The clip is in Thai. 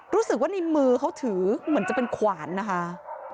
รู้สึกว่าในมือเขาถือเหมือนจะเป็นขวานนะคะ